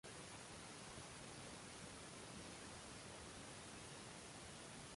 Ommaviy tadbirlar taqiqlandi, to‘ylarda mehmonlar soni qisqartirildi